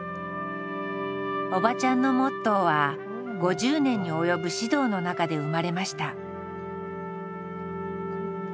おばちゃんのモットーは５０年に及ぶ指導の中で生まれました。